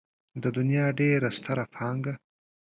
د دنيا ډېره ستره پانګه.